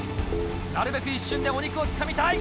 なるべく一瞬でお肉をつかみたい。